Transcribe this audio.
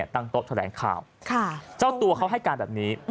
ตั้งโต๊ะแถลงข่าวเจ้าตัวเขาให้การแบบนี้